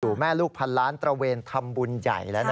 สู่แม่ลูกพันล้านตระเวนธรรมบุญใหญ่แล้วนะครับ